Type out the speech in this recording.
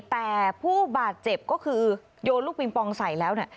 แต่ผู้บาดเจ็บก็คือโยนลูกปิงปองใส่แล้วเนี่ย